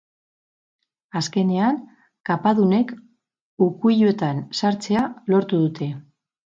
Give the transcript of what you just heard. Azkenean, kapadunek ukuiluetan sartzea lortu dute.